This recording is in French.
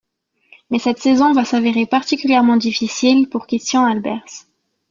Mais cette saison va s'avérer particulièrement difficile pour Christijan Albers.